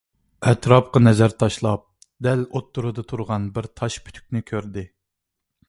ئەتراپقا نەزەر تاشلاپ، دەل ئوتتۇرىدا تۇرغان بىر تاش پۈتۈكنى كۆردى.